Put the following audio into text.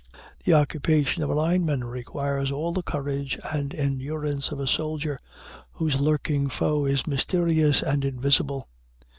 The occupation of a lineman requires all the courage and endurance of a soldier, whose lurking foe is mysterious and invisible.